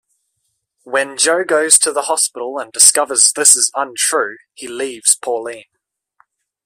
When Joe goes to the hospital and discovers this is untrue, he leaves Pauline.